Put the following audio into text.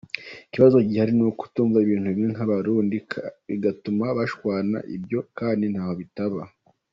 ikibazo gihari nukutumva ibintu kimwe kwabarundi bigatuma bashwana, ibyo kandi ntaho bitaba.